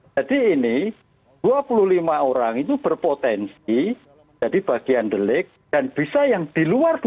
jadi ini dua puluh lima orang itu berpotensi jadi bagian delik dan bisa yang di luar dua puluh lima